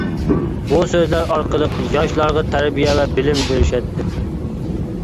بۇ سۆزلەر ئارقىلىق ياشلارغا تەربىيە ۋە بىلىم بېرىشەتتى.